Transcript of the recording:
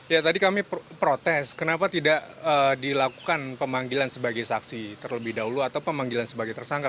ya tadi kami protes kenapa tidak dilakukan pemanggilan sebagai saksi terlebih dahulu atau pemanggilan sebagai tersangka